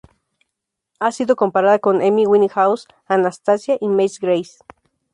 Ha sido comparada con Amy Winehouse, Anastacia y Macy Gray.